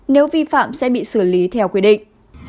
nếu vi phạm sẽ bị xử lý theo quy định